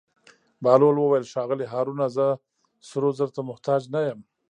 بهلول وویل: ښاغلی هارونه زه سرو زرو ته محتاج نه یم.